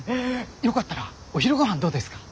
よかったらお昼ごはんどうですか？